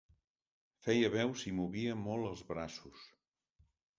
Feia veus i movia molt els braços.